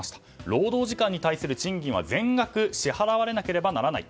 労働時間に対する賃金は全額支払わなければならない。